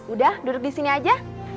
udah duduk disini aja